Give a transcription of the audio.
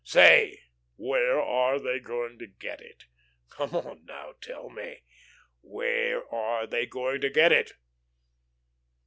Say, where are they going to get it? Come on now, tell me, where are they going to get it?"